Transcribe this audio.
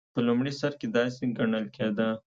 په لومړي سر کې داسې ګڼل کېده.